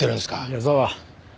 矢沢。